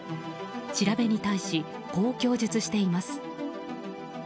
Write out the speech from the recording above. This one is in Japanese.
調べに対し、こう供述しています。